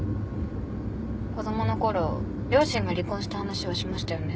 子供の頃両親が離婚した話はしましたよね？